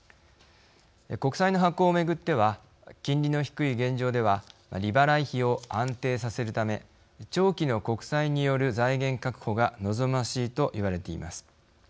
国債の発行をめぐっては金利の低い現状では利払い費を安定させるため長期の国債による財源確保が望ましいといわれています。